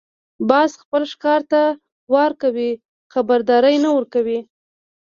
باز خپل ښکار ته وار کوي، خبرداری نه ورکوي